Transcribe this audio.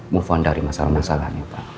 move on dari masalah masalahnya pak